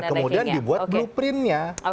kemudian dibuat blueprintnya